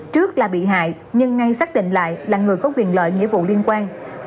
trước là bị hại nhưng ngay xác định lại là người có quyền lợi nghĩa vụ liên quan